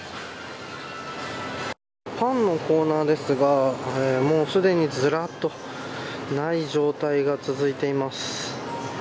パンのコーナーですがすでにずらっとない状態が続いています。